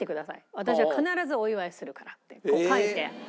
私は必ずお祝いするから」ってこう書いて。